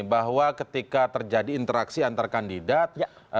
bahwa ketika terjadi interaksi antar kandidat